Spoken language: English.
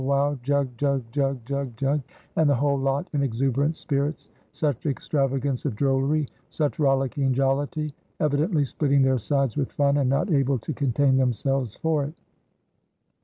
wow! jug! jug! jug! jug! jug! and the whole lot in exuberant spirits, such extravagance of drollery, such rollicking jollity, evidently splitting their sides with fun, and not able to contain themselves for it.